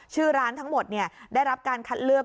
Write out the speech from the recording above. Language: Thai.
ชื่อร้านทั้งหมดได้รับการคัดเลือก